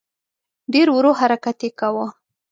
ډېر ورو حرکت یې کاوه.